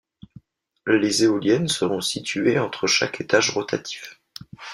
Les éoliennes seront situées entre chaque étage rotatif.